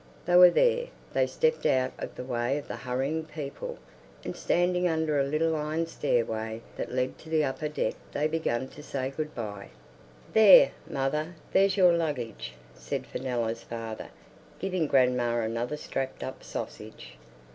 They were there; they stepped out of the way of the hurrying people, and standing under a little iron stairway that led to the upper deck they began to say good bye. "There, mother, there's your luggage!" said Fenella's father, giving grandma another strapped up sausage.